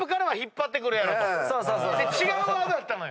違うワードやったのよ。